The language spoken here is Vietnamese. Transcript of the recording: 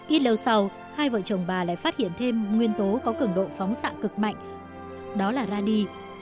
ít lâu sau hai vợ chồng bà lại phát hiện thêm nguyên tố có cường độ phóng xạ cực mạnh đó là radi